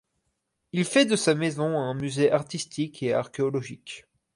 Il fait de sa maison un musée artistique et archéologique.